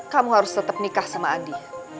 kamu harus tetap nikah sama andi